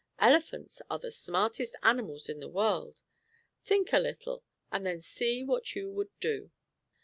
Elephants are the smartest animals in the world. Think a little and then see what you will do."